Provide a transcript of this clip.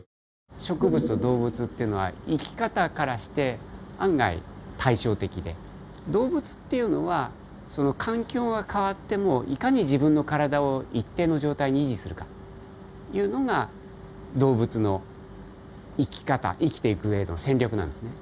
植物と動物っていうのは生き方からして案外対照的で動物っていうのは環境が変わってもいかに自分の体を一定の状態に維持するかっていうのが動物の生き方生きていく上での戦略なんですね。